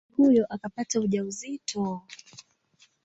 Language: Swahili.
Binti huyo akapata ujauzito.